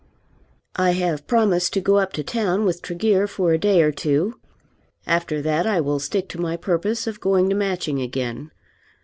I have promised to go up to town with Tregear for a day or two. After that I will stick to my purpose of going to Matching again.